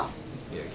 いや。